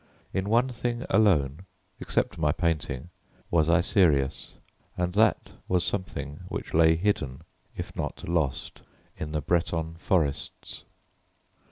In one thing alone, except my painting, was I serious, and that was something which lay hidden if not lost in the Breton forests.